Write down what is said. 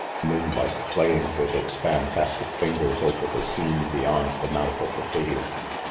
Moonlight, playing with its fantastic fingers over the scene beyond the mouth of the cave.